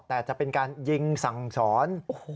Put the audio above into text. แต่จะเป็นการยิงสั่งสอน